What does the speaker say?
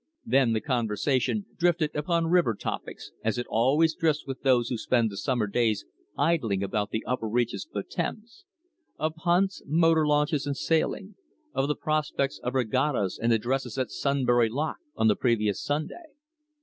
Then the conversation drifted upon river topics, as it always drifts with those who spend the summer days idling about the upper reaches of the Thames of punts, motor launches, and sailing; of the prospects of regattas and the dresses at Sunbury Lock on the previous Sunday.